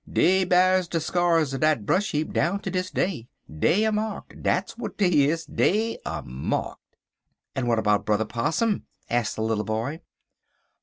Dey b'ars de skyar er dat bresh heap down ter dis day. Dey er marked dat's w'at dey is dey er marked." "And what about Brother Possum?" asked the little boy.